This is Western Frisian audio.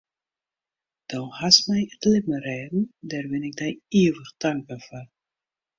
Do hast my it libben rêden, dêr bin ik dy ivich tankber foar.